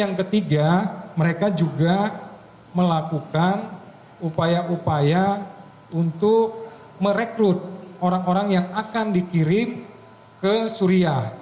yang ketiga mereka juga melakukan upaya upaya untuk merekrut orang orang yang akan dikirim ke suria